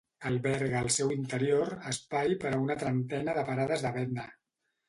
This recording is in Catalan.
Alberga al seu interior espai per a una trentena de parades de venda.